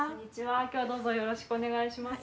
きょうはどうぞよろしくお願いします。